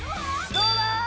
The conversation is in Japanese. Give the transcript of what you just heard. どうだ！？